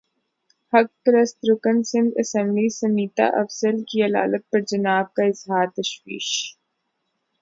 حق پرست رکن سندھ اسمبلی سمیتا افضال کی علالت پر جناب کا اظہار تشویش